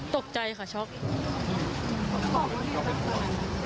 ตกใจค่ะช็อก